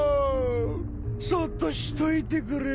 そっとしといてくれ。